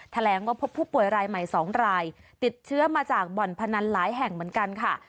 แถลงว่าพบผู้ป่วยรายใหม่๒รายติดเชื้อมาจากบ่อนพนันหลายแห่งเหมือนกันค่ะ